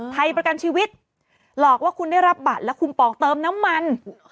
ไทยประกันชีวิตหลอกว่าคุณได้รับบัตรและคุ้มปองเติมน้ำมัน